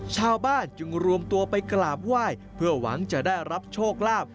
ชาวบ้านจึงรวมตัวไปกราบไหว้เพื่อหวังจะได้รับโชคลาภ